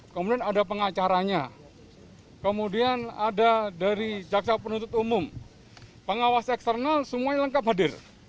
kemudian ada pengacaranya kemudian ada dari jaksa penuntut umum pengawas eksternal semuanya lengkap hadir